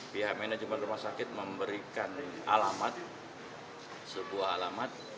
pihak manajemen rumah sakit memberikan alamat sebuah alamat